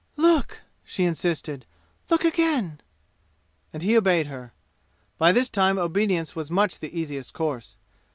"Look!" she insisted. "Look again!" And he obeyed her. By this time obedience was much the easiest course.